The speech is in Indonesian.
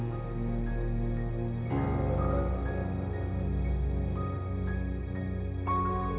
kami mau berani jangan sama cewek